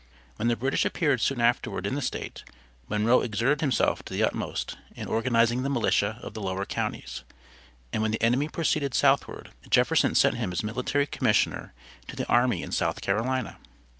When the British appeared soon afterward in the State, Monroe exerted himself to the utmost in organizing the militia of the lower counties; and when the enemy proceeded southward, Jefferson sent him as military commissioner to the army in South Carolina.